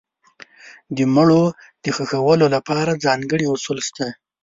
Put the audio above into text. د مړو د ښخولو لپاره ځانګړي اصول شته.